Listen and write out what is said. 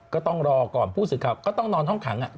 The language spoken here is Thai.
ก็ต้องรอก่อนผู้สื่อข่าวก็ต้องนอนห้องขัง